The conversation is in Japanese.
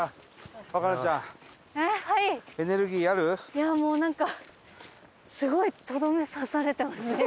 いやもうなんかすごいトドメ刺されてますね今。